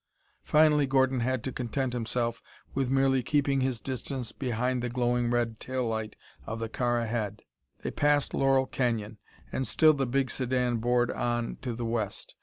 Finally Gordon had to content himself with merely keeping his distance behind the glowing red tail light of the car ahead. They passed Laurel Canyon, and still the big sedan bored on to the west.